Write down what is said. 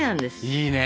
いいね。